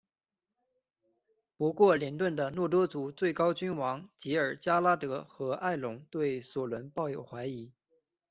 不过林顿的诺多族最高君王吉尔加拉德和爱隆对索伦抱有怀疑。